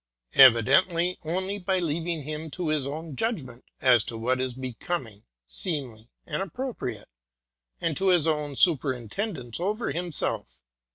Evidently only by leaving him to his own judgment as to what is becoming, seemly, and appropriate, and to his own superintendence over himself.